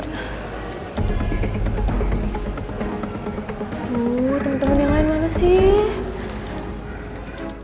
tuh temen temen yang lain mana sih